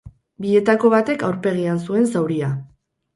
Bietako batek aurpegian zuen zauria.